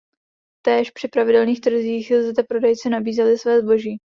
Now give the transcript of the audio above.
Též při pravidelných trzích zde prodejci nabízeli své zboží.